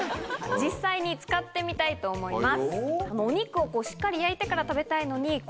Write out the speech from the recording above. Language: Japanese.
実際に使ってみたいと思います。